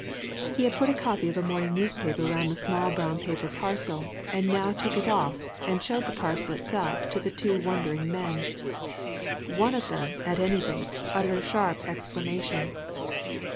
He had put a copy of a morning newspaper round the small brown paper parcel, and now took it off and showed the parcel itself to the two wondering men. One of them at any rate uttered a sharp exclamation.